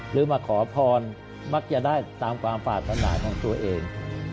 หรือมาขอพรมักจะได้ตามความปรารถนาของตัวเอง